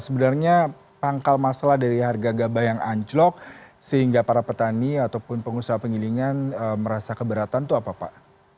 sebenarnya pangkal masalah dari harga gabah yang anjlok sehingga para petani ataupun pengusaha pengilingan merasa keberatan itu apa pak